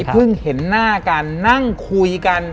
เพิ่งเห็นหน้ากันนั่งคุยกัน